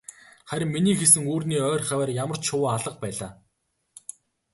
Харин миний хийсэн үүрний ойр хавиар ямарч шувуу алга байлаа.